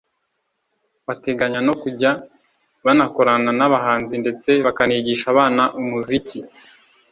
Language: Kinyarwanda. bateganya no kujya banakorana n’abahanzi ndetse bakanigisha abana umuziki